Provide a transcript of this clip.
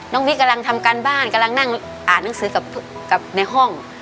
บิ๊กกำลังทำการบ้านกำลังนั่งอ่านหนังสือกับในห้อง